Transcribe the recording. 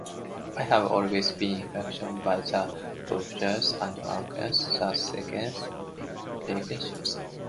I have always been fascinated by the possibilities and unknowns that science fiction offers.